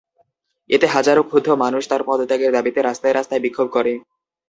এতে হাজারো ক্ষুব্ধ মানুষ তাঁর পদত্যাগের দাবিতে রাস্তায় রাস্তায় বিক্ষোভ করে।